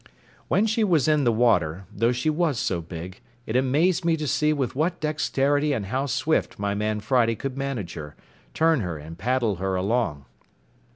When she was in the water, though she was so big, it amazed me to see with what dexterity and how swift my man Friday could manage her, turn her, and paddle her along.